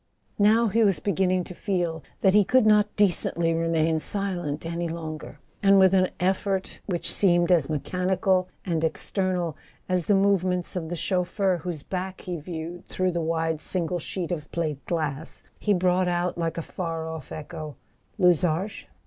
Now he was beginning to feel that he could not decently remain silent any longer; and with an effort [ 264 ] A SON AT THE FRONT which seemed as mechanical and external as the move¬ ments of the chauffeur whose back he viewed through the wide single sheet of plate glass, he brought out, like a far off echo: "Luzarches ...?"